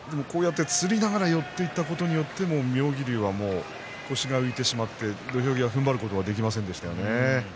つりながら寄っていったことによって妙義龍は腰が浮いてしまってふんばることができませんでした。